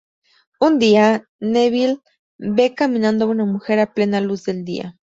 Un día, Neville ve caminando a una mujer a plena luz del día.